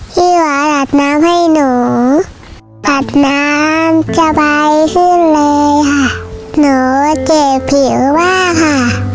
พี่หวาอาบน้ำให้หนูผัดน้ำสบายขึ้นเลยค่ะหนูแก่ผิวว่าค่ะ